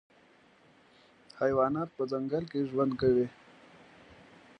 حیوانات په ځنګل کي ژوند کوي.